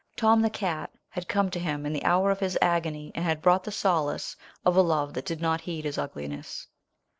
Tom, the cat, had come to him in the hour of his agony and had brought the solace of a love that did not heed his ugliness.